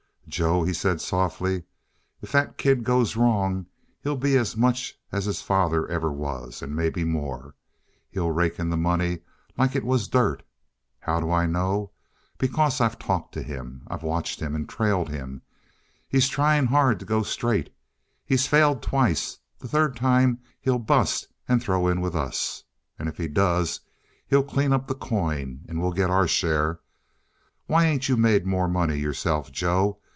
"Joe," he said softly, "if that kid goes wrong, he'll be as much as his father ever was and maybe more. He'll rake in the money like it was dirt. How do I know? Because I've talked to him. I've watched him and trailed him. He's trying hard to go straight. He's failed twice; the third time he'll bust and throw in with us. And if he does, he'll clean up the coin and we'll get our share. Why ain't you made more money yourself, Joe?